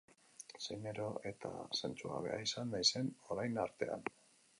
Zein ero eta zentzugabea izan naizen orain artean!